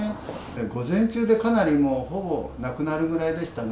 午前中でかなりもう、ほぼなくなるぐらいでしたね。